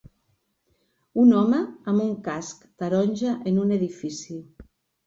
Un home amb un casc taronja en un edifici.